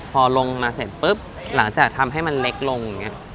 พอลงมาเสร็จปุ๊บหลังจากทำให้มันเล็กลง